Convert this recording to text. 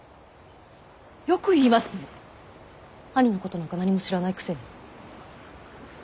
よく言いますね兄のことなんか何も知らないくせに。